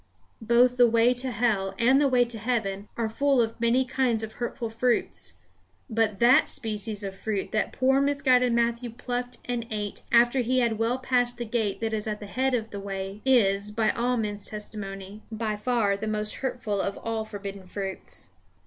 Both the way to hell and the way to heaven are full of many kinds of hurtful fruits; but that species of fruit that poor misguided Matthew plucked and ate after he had well passed the gate that is at the head of the way is, by all men's testimony, by far the most hurtful of all forbidden fruits.